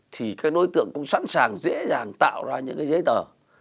thì các đối tượng cũng sẵn sàng dễ dàng tạo ra những cái giấy tờ